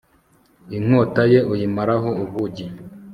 inkota ye uyimaraho ubugi